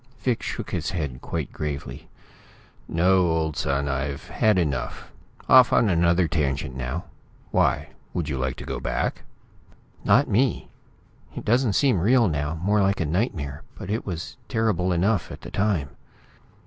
Vic shook his head quite gravely. "No, old son; I had enough. Off on another tangent now. Why would you like to go back?" "Not me! It doesn't seem real now; more like a nightmare, but it was terrible enough at the time."